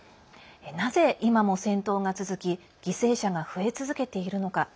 なぜ今も戦闘が続き犠牲者が増え続けているのか。